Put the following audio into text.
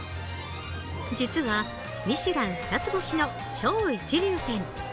実はミシュラン２つ星の超一流店。